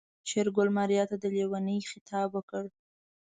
شېرګل ماريا ته د ليونۍ خطاب وکړ.